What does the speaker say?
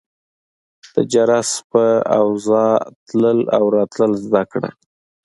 د جرس په اوزا تلل او راتلل زده کړه.